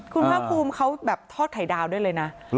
คุณภาคภูมิเขาแบบทอดไข่ดาวด้วยเลยนะ